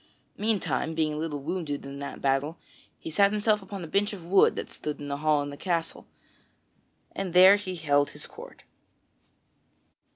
Meantime, being a little wounded in that battle, he sat himself down upon a bench of wood that stood in the hall of the castle, and there he held his court.